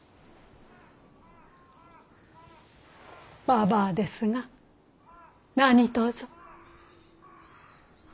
ばばあですが何とぞ。